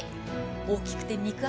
大きくて肉厚。